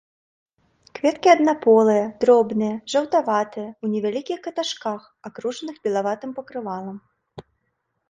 Кветкі аднаполыя, дробныя, жаўтаватыя, у невялікіх каташках, акружаных белаватым пакрывалам.